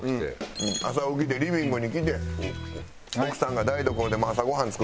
朝起きてリビングに来て奥さんが台所でもう朝ごはん作ってくれてるから。